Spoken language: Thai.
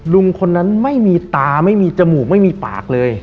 ลุงคนนั้นไม่มีตาไม่มีจมูกไม่มีปากเลย